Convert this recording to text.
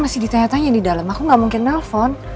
masih ditanya tanya di dalam aku gak mungkin nelfon